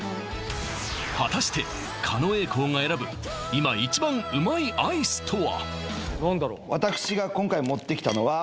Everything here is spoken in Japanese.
果たして狩野英孝が選ぶ今一番うまいアイスとは？